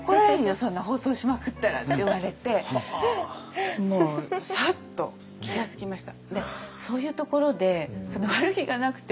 そんな包装しまくったら」って言われてもうさっと気が付きました。